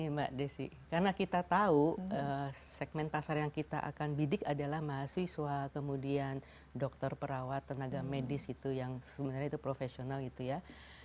mbak desi karena kita tahu segmen pasar yang kita akan bidik adalah mahasiswa kemudian dokter perawat tenaga medis gitu yang sebenarnya itu profesional gitu ya